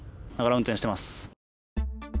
運転しています。